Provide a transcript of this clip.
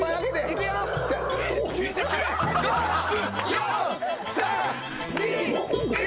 ４３２１。